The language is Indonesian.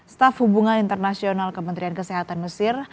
staf hubungan internasional kementerian kesehatan mesir